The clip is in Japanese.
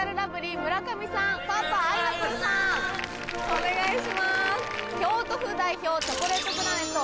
お願いします。